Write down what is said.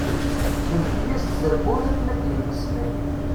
Teldi-as-d tawwurt akken ad yemmeslay.